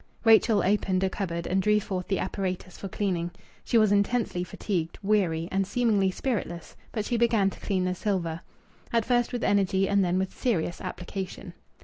Rachel opened a cupboard and drew forth the apparatus for cleaning. She was intensely fatigued, weary, and seemingly spiritless, but she began to clean the silver at first with energy and then with serious application.